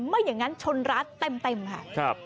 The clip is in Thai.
ไม่อย่างนั้นชนร้านเต็มค่ะ